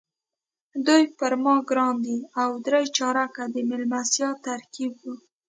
دوی پر ما ګران دي او درې چارکه د میلمستیا ترکیب وو.